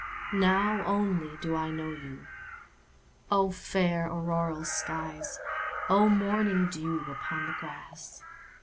Now only do I know you!O fair auroral skies! O morning dew upon the grass!